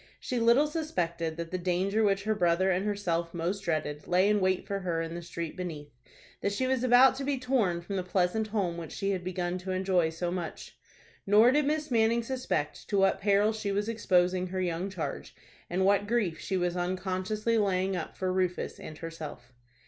She little suspected that the danger which her brother and herself most dreaded lay in wait for her in the street beneath; that she was about to be torn from the pleasant home which she had begun to enjoy so much. Nor did Miss Manning suspect to what peril she was exposing her young charge, and what grief she was unconsciously laying up for Rufus and herself.